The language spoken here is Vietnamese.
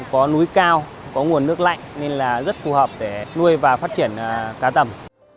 có núi cao có nguồn nước lạnh nên là rất phù hợp để nuôi và phát triển cá tầm